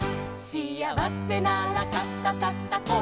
「しあわせなら肩たたこう」「」